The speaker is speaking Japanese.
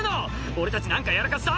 「俺たち何かやらかした？